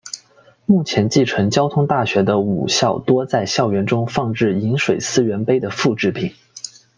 目前继承交通大学的五校多在校园中放置饮水思源碑的复制品。